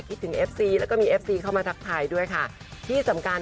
คิดถึงเอฟซีแล้วก็มีเอฟซีเข้ามาทักทายด้วยค่ะที่สำคัญ